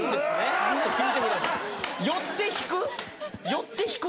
寄って引く？